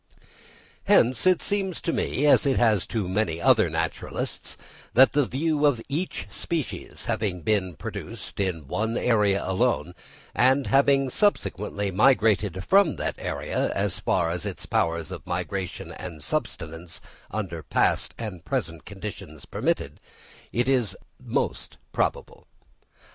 Hence, it seems to me, as it has to many other naturalists, that the view of each species having been produced in one area alone, and having subsequently migrated from that area as far as its powers of migration and subsistence under past and present conditions permitted, is the most probable.